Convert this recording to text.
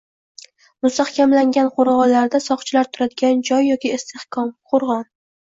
.Mustahkamlangan qo‘rg‘onlarda soqchilar turadigan joy yoki istehkom, qo‘rg‘on.